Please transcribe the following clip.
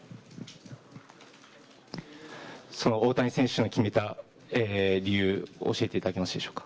その大谷選手に決めた理由を教えていただけますか。